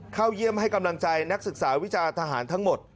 เข้าเยี่ยมให้กำลังใจนักศึกษาวิจาทหารทั้งหมด